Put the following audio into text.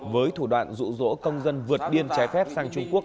với thủ đoạn rụ rỗ công dân vượt biên trái phép sang trung quốc